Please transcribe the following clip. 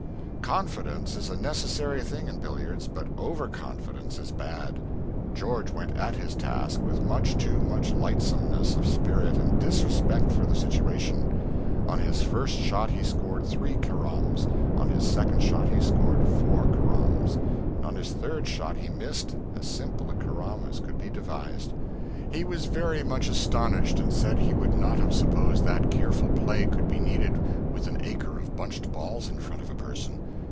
Confidence is a necessary thing in billiards, but overconfidence is bad. George went at his task with much too much lightsomeness of spirit and disrespect for the situation. On his first shot he scored three caroms; on his second shot he scored four caroms; and on his third shot he missed as simple a carom as could be devised. He was very much astonished, and said he would not have supposed that careful play could be needed with an acre of bunched balls in front of a person.